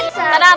kita pertama kali